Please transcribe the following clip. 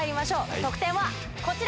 得点はこちら。